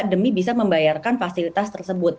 demi bisa membayarkan fasilitas tersebut